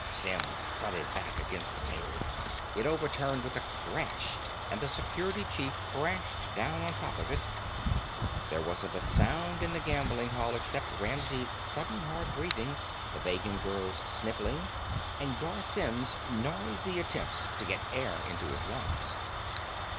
Symm thudded back against the table. It overturned with a crash and the Security Chief crashed down on top of it. There wasn't a sound in the gambling hall except Ramsey's sudden hard breathing, the Vegan girl's sniffling, and Garr Symm's noisy attempts to get air into his lungs.